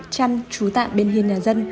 chăn chú tạm bên hiên nhà dân